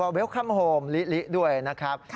เวลคัมโฮมลิลิด้วยนะครับ